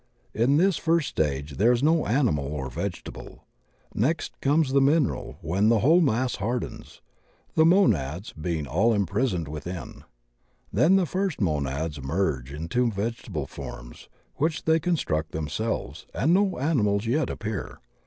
In this first stage there is no animal nor vegetable. Next comes the mineral when the whole mass hardens, the Monads being all imprisoned within. Then the first Monads emerge into vegetable forms which they construct themselves, and no animals yet appear.